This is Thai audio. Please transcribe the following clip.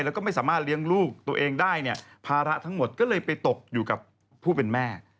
แล้วก็ไม่สามารถเลี้ยงลูกตัวเองได้เนี่ยภาระทั้งหมดก็เลยไปตกอยู่กับผู้เป็นแม่